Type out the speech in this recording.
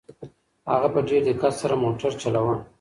هغه په ډېر دقت سره موټر چلاوه.